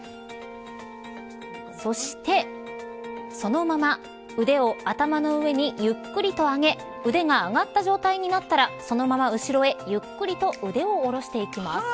そしてそのまま腕を頭の上にゆっくりと上げ腕が上がった状態になったらそのまま後ろへゆっくりと腕を下ろしていきます。